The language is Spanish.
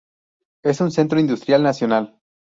Es un centro industrial nacional.